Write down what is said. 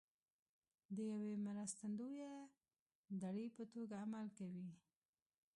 د یوې مرستندویه دړې په توګه عمل کوي